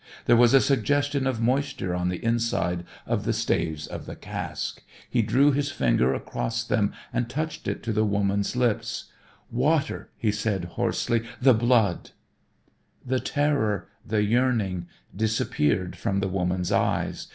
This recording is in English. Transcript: There was a suggestion of moisture on the inside of the staves of the cask. He drew his finger across them and touched it to the woman's lips. "Water," he said hoarsely. "The blood " The terror, the yearning, disappeared from the woman's eyes.